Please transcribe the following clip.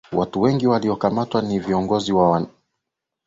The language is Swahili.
Watu wengi waliokamatwa ni viongozi na wanachama wa zamani wa Umma Party